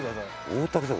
大竹さん